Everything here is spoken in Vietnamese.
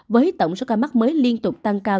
với tổng số ca mắc mới liên tục tăng cao